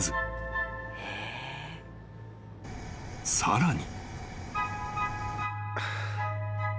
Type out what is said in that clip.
［さらに］